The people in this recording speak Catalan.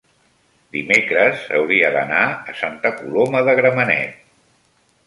dimecres hauria d'anar a Santa Coloma de Gramenet.